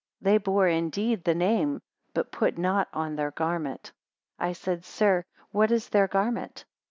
They bore indeed the name, but put not on their garment. I said, Sir, what is their garment?